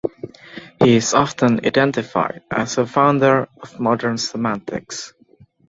He is often identified as a founder of modern semantics.